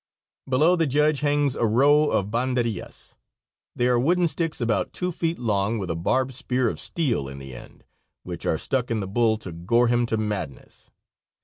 Below the judge hangs a row of banderillas. They are wooden sticks about two feet long with a barbed spear of steel in the end, which are stuck in the bull to gore him to madness.